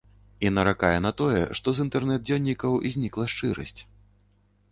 І наракае на тое, што з інтэрнэт-дзённікаў знікла шчырасць.